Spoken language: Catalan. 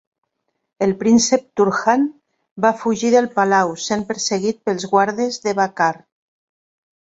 El príncep Turhan va fugir del palau, sent perseguit pels guardes de Bakaar.